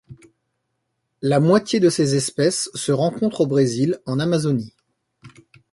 La moitié de ses espèces se rencontrent au Brésil, en Amazonie.